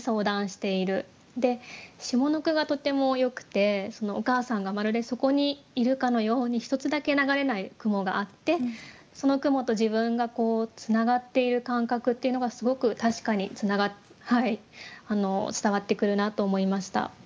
下の句がとてもよくてお母さんがまるでそこにいるかのようにひとつだけ流れない雲があってその雲と自分がつながっている感覚っていうのがすごく確かに伝わってくるなと思いました。